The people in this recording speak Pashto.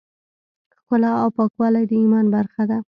ښکلا او پاکوالی د ایمان برخه ده.